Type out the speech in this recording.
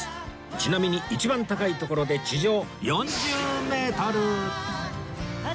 ちなみに一番高い所で地上４０メートル